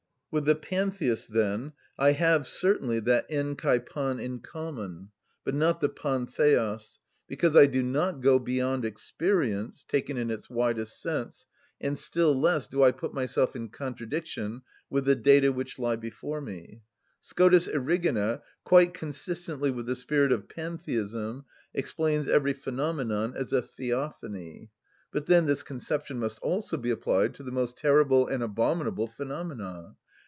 With the Pantheists, then, I have certainly that ἑν και παν in common, but not the παν θεος; because I do not go beyond experience (taken in its widest sense), and still less do I put myself in contradiction with the data which lie before me. Scotus Erigena, quite consistently with the spirit of Pantheism, explains every phenomenon as a theophany; but then this conception must also be applied to the most terrible and abominable phenomena.